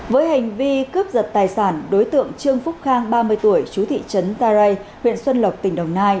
với hành vi cướp giật tài sản đối tượng trương phúc khang ba mươi tuổi chú thị trấn ta rây huyện xuân lộc tỉnh đồng nai